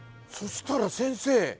そしたら先生